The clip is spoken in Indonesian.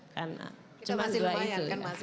kan cuma dua itu